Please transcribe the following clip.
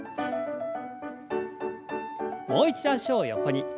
もう一度脚を横に。